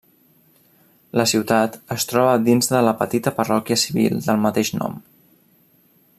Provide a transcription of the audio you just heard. La ciutat es troba dins de la petita parròquia civil del mateix nom.